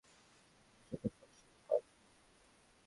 যখন ভারতের কাঁটাতার ছিল না, তখন দেখা-সাক্ষাৎ সহজ ছিল, পাস-কাগজ ছিল।